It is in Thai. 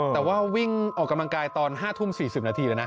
แต่ว่าวิ่งออกกำลังกายตอน๕ทุ่ม๔๐นาทีเลยนะ